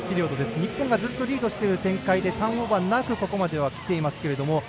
日本がずっとリードしている展開でターンオーバーなくここまではきていますけれども。